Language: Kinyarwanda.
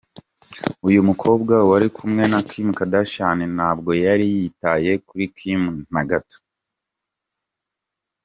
Uyu mukobwa wari kumwe na Kim Kardashian ntabwo yari yitaye kuri Kim na gato.